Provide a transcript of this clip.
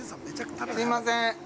すいません。